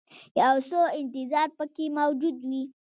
یو څه انتظار پکې موجود وي.